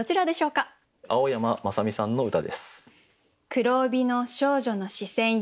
青山正美さんの歌です。